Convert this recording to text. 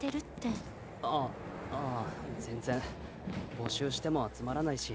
募集しても集まらないし。